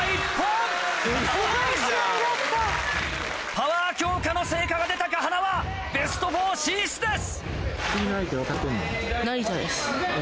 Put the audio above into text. パワー強化の成果が出たか塙ベスト４進出です！